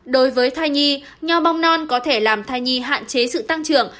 đối với thai nhi nhau bong non có thể làm thai nhi hạn chế sự tăng trưởng